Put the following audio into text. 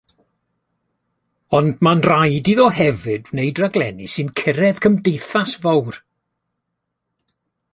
Ond mae'n rhaid iddo hefyd wneud rhaglenni sy'n cyrraedd cymdeithas fawr.